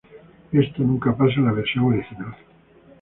Esto nunca pasa en la versión original.